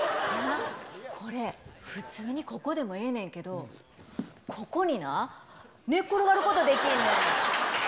これ、普通にここでもええねんけど、ここにな、寝転がることできんねん。